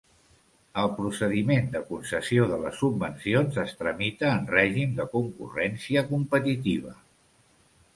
El procediment de concessió de les subvencions es tramita en règim de concurrència competitiva.